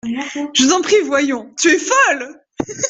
Je t’en prie, voyons ! tu es folle !